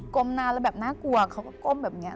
ก้มหน้าเราแบบน่ากลัวเขาก็ก้มแบบนี้